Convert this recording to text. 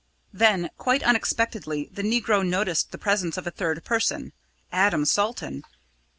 Then, quite unexpectedly, the negro noticed the presence of a third person Adam Salton!